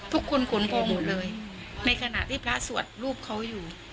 ทุกคนขนพองหมดเลยในขณะที่พระสวัสดิ์รูปเขาอยู่